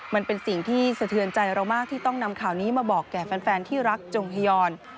มันเป็นสิ่งที่สะเทือนใจเรามากที่ต้องนำข่าวนี้มาบอกแก่แฟนที่รักจงพยอน